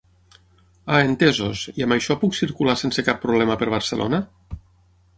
Ah entesos, i amb això puc circular sense cap problema per Barcelona?